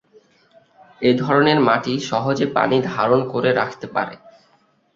এ ধরনের মাটি সহজে পানি ধারণ করে রাখতে পারে।